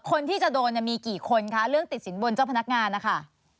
คนที่จะโดนมีกี่คนคะเรื่องติดสินบนเจ้าพนักงานนะคะ